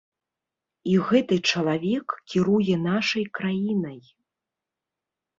І гэты чалавек кіруе нашай краінай.